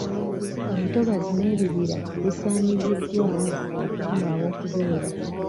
Entobazi n'ebibira bisaanyiziddwawo okufuna aw'okubeera.